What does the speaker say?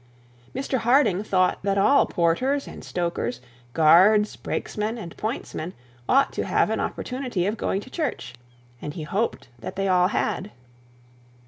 Mr Harding thought that all porters and stokers, guards, breaksmen, pointsmen ought to have an opportunity of going to church, and he hoped that they all had.